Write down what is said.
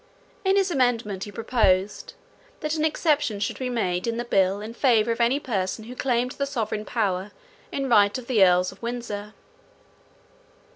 In his amendment he proposed, that an exception should be made in the bill in favour of any person who claimed the sovereign power in right of the earls of Windsor.